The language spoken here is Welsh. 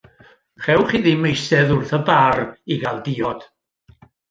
Chewch chi ddim eistedd wrth y bar i gael diod.